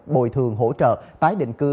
bồi thường hỗ trợ tái định cư